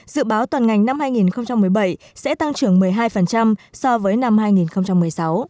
dự báo toàn ngành năm hai nghìn một mươi bảy sẽ tăng trưởng một mươi hai so với năm hai nghìn một mươi sáu